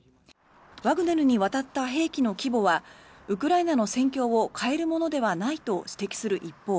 ワグネルに渡った兵器の規模はウクライナの戦況を変えるものではないと指摘する一方